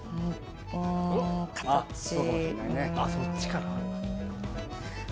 あっそっちかな？